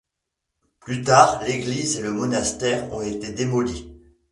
Plus tard l'église et le monastère ont été démolis.